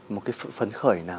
một cái phấn khởi nào